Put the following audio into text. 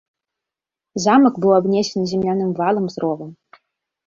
Замак быў абнесены земляным валам з ровам.